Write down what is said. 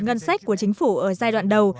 ngân sách của chính phủ ở giai đoạn đầu